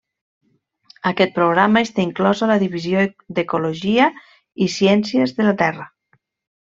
Aquest programa està inclòs a la Divisió d’Ecologia i Ciències de la Terra.